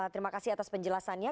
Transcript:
terima kasih atas penjelasannya